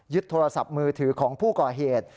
โทรศัพท์มือถือของผู้ก่อเหตุ